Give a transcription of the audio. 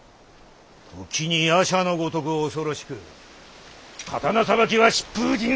時に夜叉のごとく恐ろしく刀さばきは疾風迅速。